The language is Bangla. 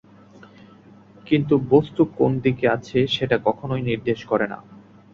কিন্তু বস্তু কোন দিকে আছে সেটা কখনোই নির্দেশ করে না।